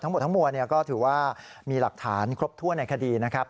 ทั้งหมดทั้งมวลก็ถือว่ามีหลักฐานครบถ้วนในคดีนะครับ